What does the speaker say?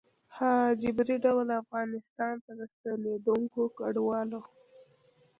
ه جبري ډول افغانستان ته د ستنېدونکو کډوالو